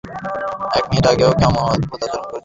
এক মিনিট আগেও ও কেমন অদ্ভুত আচরণ করছিল!